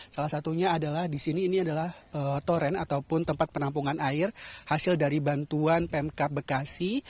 salah satunya adalah di sini ini adalah toren ataupun tempat penampungan air hasil dari bantuan pemkap bekasi